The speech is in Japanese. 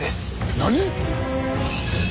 何！？